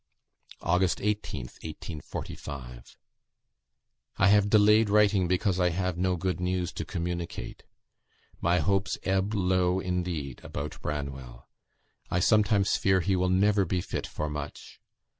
"August 18th, 1845. "I have delayed writing, because I have no good news to communicate. My hopes ebb low indeed about Branwell. I sometimes fear he will never be fit for much.